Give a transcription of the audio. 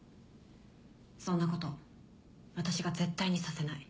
そんなこと私が絶対にさせない。